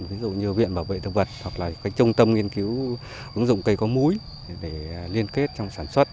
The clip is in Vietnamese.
ví dụ như viện bảo vệ thực vật hoặc là cái trung tâm nghiên cứu ứng dụng cây có múi để liên kết trong sản xuất